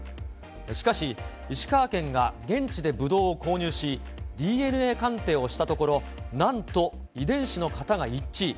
しかし、石川県が現地でぶどうを購入し、ＤＮＡ鑑定をしたところ、なんと、遺伝子の型が一致。